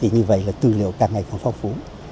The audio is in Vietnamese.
như vậy tư liệu càng ngày càng phong phú